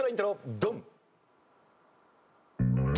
ドン！